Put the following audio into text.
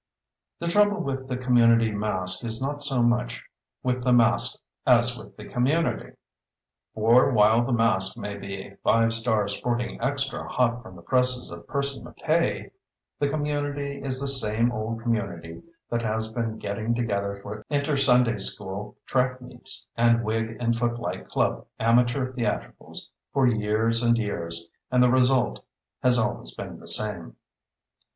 The trouble with the community masque is not so much with the masque as with the community. For while the masque may be a five star sporting extra hot from the presses of Percy Mackaye, the community is the same old community that has been getting together for inter Sunday School track meets and Wig and Footlight Club Amateur Theatricals for years and years, and the result has always been the same.